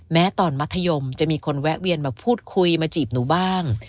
แม้ตอนมัธยมจะมีคนแวะเวียนมาพูดคุยมาจีบหนูบ้าง